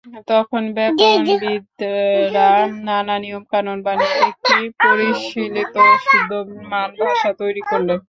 তখন ব্যাকরণবিদেরা নানা নিয়মকানুন বানিয়ে একটি পরিশীলিত শুদ্ধ মান ভাষা তৈরি করলেন।